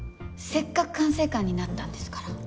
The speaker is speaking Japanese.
せっかく管制官になったんですから。